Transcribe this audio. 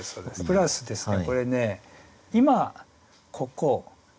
プラスですね